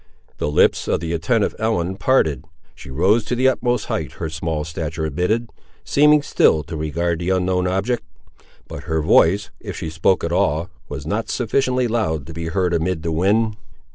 The lips of the attentive Ellen parted; she rose to the utmost height her small stature admitted, seeming still to regard the unknown object; but her voice, if she spoke at all, was not sufficiently loud to be heard amid the wind.